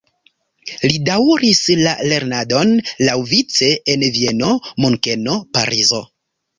Li daŭris la lernadon laŭvice en Vieno, Munkeno, Parizo.